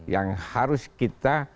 yang harus kita